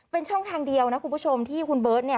เป็นช่องทางเดียวนะคุณผู้ชมที่คุณเบิร์ตเนี่ย